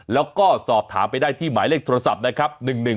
แล้วก็สอบถามไปได้ที่หมายเลขโทรศัพท์นะครับ